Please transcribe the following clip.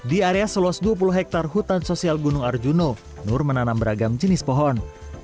di area seluas dua puluh hektare hutan sosial gunung arjuna nur menanam beragam jenis pohon